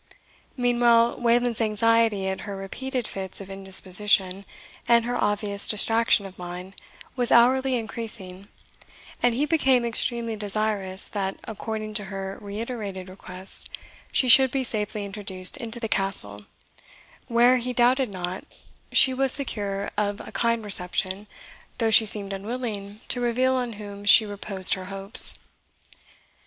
Meanwhile, Wayland's anxiety at her repeated fits of indisposition, and her obvious distraction of mind, was hourly increasing, and he became extremely desirous that, according to her reiterated requests, she should be safely introduced into the Castle, where, he doubted not, she was secure of a kind reception, though she seemed unwilling to reveal on whom she reposed her hopes.